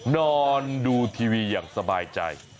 นอนดูทีวีอย่างสบายใจ